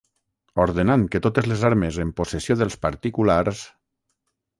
Ordenant que totes les armes en possessió dels particulars...